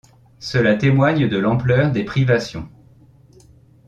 Cela témoigne de l'ampleur des privations.